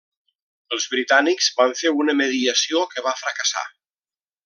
Els britànics van fer una mediació que va fracassar.